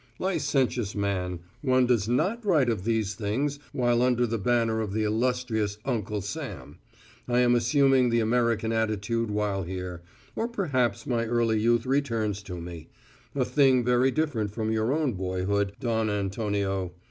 Licentious man, one does not write of these things while under the banner of the illustrious Uncle Sam I am assuming the American attitude while here, or perhaps my early youth returns to me a thing very different from your own boyhood, Don Antonio.